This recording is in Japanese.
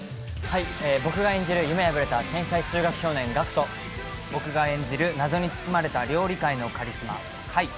僕が演じる夢破れた天才数学少年岳と僕が演じる謎に包まれた料理界のカリスマ・海。